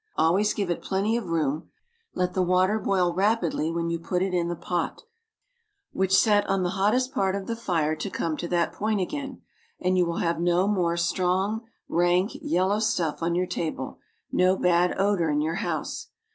Always give it plenty of room, let the water boil rapidly when you put it in the pot, which set on the hottest part of the fire to come to that point again, and you will have no more strong, rank, yellow stuff on your table, no bad odor in your house.